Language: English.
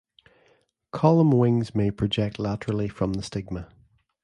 Column wings may project laterally from the stigma.